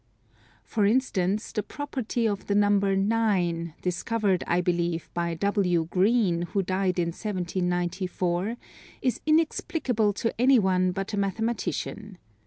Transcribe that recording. For instance, the property of the number 9, discovered, I believe, by W. Green, who died in 1794, is inexplicable to any one but a mathematician.